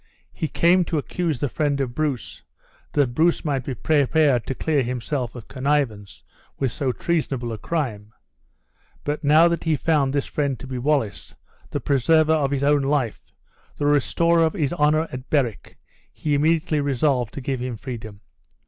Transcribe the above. He came to accuse the friend of Bruce, that Bruce might be prepared to clear himself of connivance with so treasonable a crime; but now that he found this friend to be Wallace, the preserver of his own life, the restorer of his honor at Berwick, he immediately resolved to give him freedom.